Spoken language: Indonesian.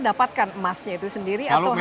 dapatkan emasnya itu sendiri atau